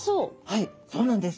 はいそうなんです。